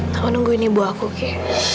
kamu nungguin ibu aku oke